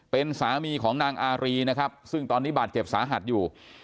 เป็นสามีของนางอารีนะครับซึ่งตอนนี้บาดเจ็บสาหัสอยู่